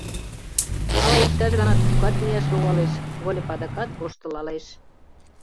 Ала иктаж гана тушкат мияш логалеш, — Выльып адакат воштылалеш.